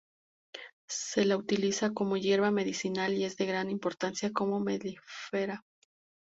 Se la utiliza como hierba medicinal y es de gran importancia como melífera.